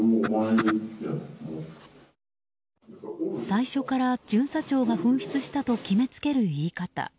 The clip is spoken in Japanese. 最初から巡査長が紛失したと決めつける言い方。